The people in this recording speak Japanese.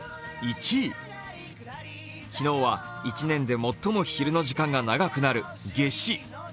昨日は１年で最も昼の時間が長くなる、夏至。